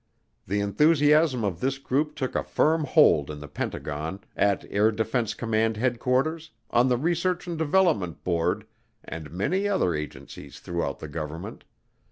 The enthusiasm of this group took a firm hold in the Pentagon, at Air Defense Command Headquarters, on the Research and Development Board, and many other agencies throughout the government.